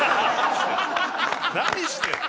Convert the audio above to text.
何してんの？